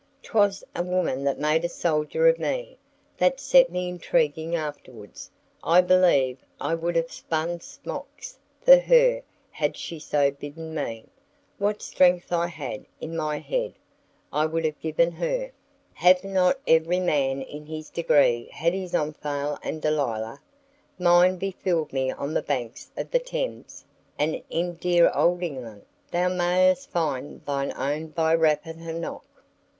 'Twas a woman that made a soldier of me, that set me intriguing afterwards; I believe I would have spun smocks for her had she so bidden me; what strength I had in my head I would have given her; hath not every man in his degree had his Omphale and Delilah? Mine befooled me on the banks of the Thames, and in dear old England; thou mayest find thine own by Rappahannock.